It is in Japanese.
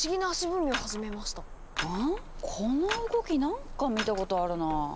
この動きなんか見たことあるなあ。